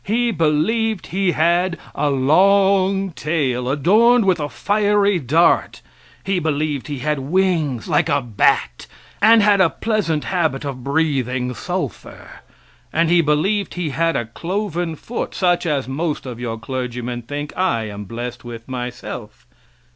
He believed he had a long tail adorned with a fiery dart; he believed he had wings like a bat, and had a pleasant habit of breathing sulphur; and he believed he had a cloven foot such as most of your clergymen think I am blessed with myself.